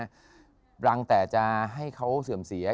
รังแต่จะให้เขาเสื่อมเสีย